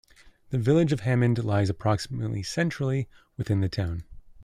The Village of Hammond lies approximately centrally within the town.